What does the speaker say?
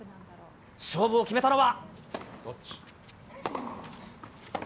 勝負を決めたのは。